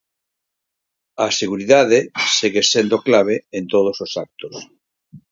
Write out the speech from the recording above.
A seguridade segue sendo clave en todos os actos.